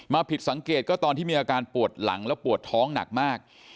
ผิดสังเกตก็ตอนที่มีอาการปวดหลังแล้วปวดท้องหนักมาก